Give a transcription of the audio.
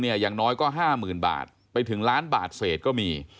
อย่างน้อยก็๕๐๐๐บาทไปถึงล้านบาทเศษก็มี